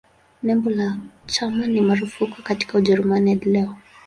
Nembo la chama ni marufuku katika Ujerumani hadi leo.